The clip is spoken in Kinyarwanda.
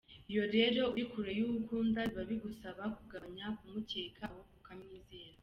Iyo rero uri kure y’uwo ukunda biba bigusaba kugabanya kumukeka ahubwo ukamwizera.